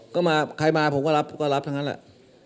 ก็มาใครมาผมก็รับก็รับทั้งนั้นแหละ